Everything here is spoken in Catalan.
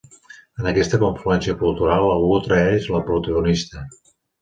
En aquesta confluència cultural, algú traeix la protagonista.